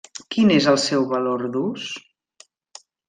Quin és el seu valor d'ús?